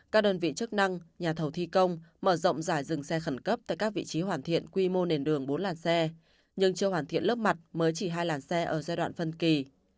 các đơn vị chức năng nhà thầu thi công mở rộng giải dừng xe khẩn cấp tại các vị trí hoàn thiện quy mô nền đường bốn làn xe nhưng chưa hoàn thiện lớp mặt mới chỉ hai làn xe ở giai đoạn phân kỳ